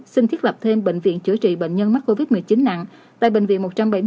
xin thiết lập thêm bệnh viện chữa trị bệnh nhân mắc covid một mươi chín nặng tại bệnh viện một trăm bảy mươi năm